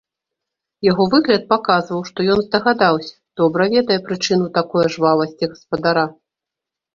Яго выгляд паказваў, што ён здагадаўся, добра ведае прычыну такое жвавасці гаспадара.